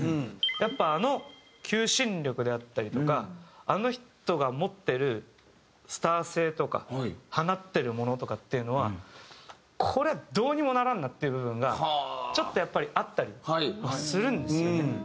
やっぱあの求心力であったりとかあの人が持ってるスター性とか放ってるものとかっていうのはこれはどうにもならんなっていう部分がちょっとやっぱりあったりするんですよね。